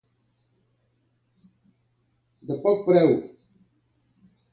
De poc preu.